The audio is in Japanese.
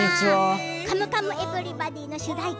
「カムカムエヴリバディ」の主題歌